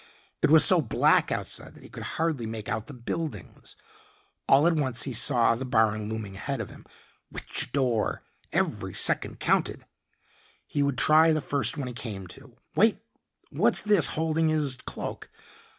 It was so black outside that he could hardly make out the buildings. All at once he saw the barn looming ahead of him. Which door? Every second counted; he would try the first one he came to. Wait what's this holding his cloak?